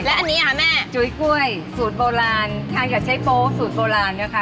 อันนี้ค่ะแม่จุ๋ยกล้วยสูตรโบราณทานกับใช้โป๊สูตรโบราณนะคะ